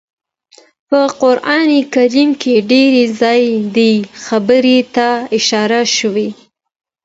په قران کريم کي ډير ځايه دې خبرې ته اشاره شوي